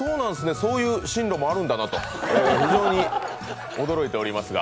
そういう進路もあるんだなと、非常に驚いておりますが。